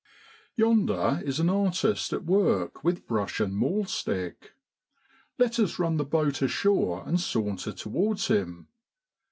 Yonder is an artist at work with brush and maul stick. Let us run the boat ashore and saunter towards him.